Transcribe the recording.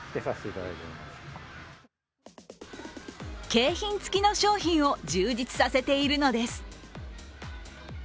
景品付きの商品を充実させているのです。